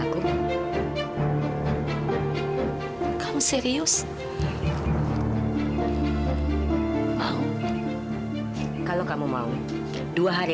kamu serius tengok mau or